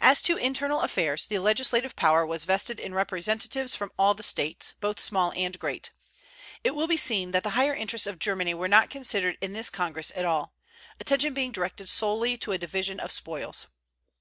As to internal affairs, the legislative power was vested in representatives from all the States, both small and great. It will be seen that the higher interests of Germany were not considered in this Congress at all, attention being directed solely to a division of spoils.